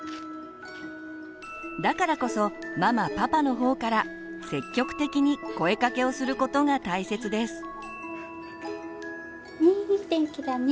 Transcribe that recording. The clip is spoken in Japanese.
だからこそママパパの方から積極的に声かけをすることが大切です。